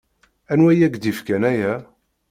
Anwa i yak-d-ifkan aya?